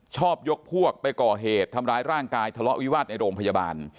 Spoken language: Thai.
ชอบยกพวกไปก่อเหตุทำร้ายร่างกายทะเลาะวิวาสในโรงพยาบาล